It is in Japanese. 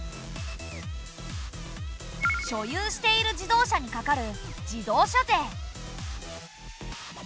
所有している自動車にかかる自動車税。